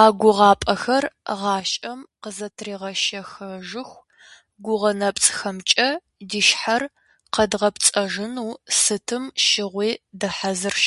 А гугъапӀэхэр гъащӀэм къызэтригъэщэхэжыху, гугъэ нэпцӀхэмкӀэ ди щхьэр къэдгъэпцӀэжыну сытым щыгъуи дыхьэзырщ.